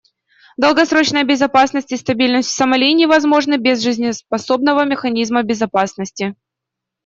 Долгосрочная безопасность и стабильность в Сомали невозможны без жизнеспособного механизма безопасности.